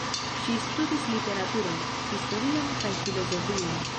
Ŝi studis literaturon, historion kaj filozofion.